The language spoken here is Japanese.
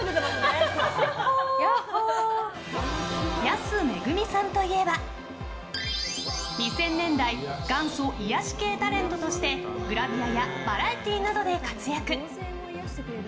安めぐみさんといえば２０００年代元祖癒やし系タレントとしてグラビアやバラエティーなどで活躍。